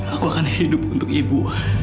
aku akan hidup untuk ibu